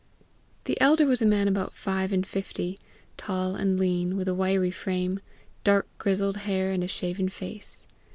The elder was a man about five and fifty, tall and lean, with a wiry frame, dark grizzled hair, and a shaven face.